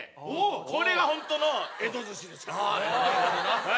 これがホントの江戸寿司ですから。